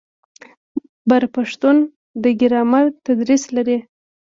بر پښتون د ګرامر تدریس لري.